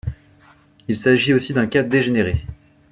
Il s'agit aussi d'un cas dégénéré.